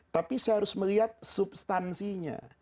tapi saya harus melihat substansinya